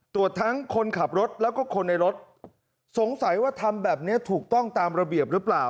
ตรวจทั้งคนขับรถแล้วก็คนในรถสงสัยว่าทำแบบนี้ถูกต้องตามระเบียบหรือเปล่า